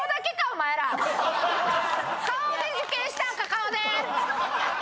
顔で！